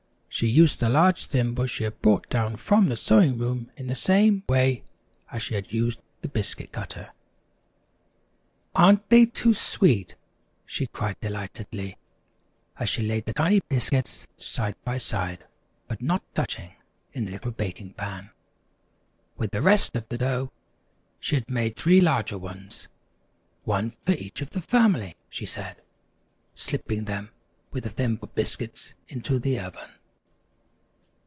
She used the large thimble she had brought down from the sewing room in the same way as she had used the biscuit cutter. [Illustration: "It didn't take long to cut the biscuits."] "Aren't they too sweet!" she cried delightedly, as she laid the tiny biscuits side by side, but not touching, in the little baking pan. With the rest of the dough, she had made three larger ones. "One for each of the family," she said, slipping them with the Thimble Biscuits into the oven.